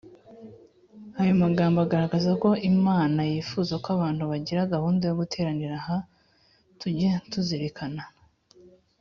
Ayo magambo agaragaza ko Imana yifuza ko abantu bagira gahunda yo guteranira ha Tujye tuzirikanana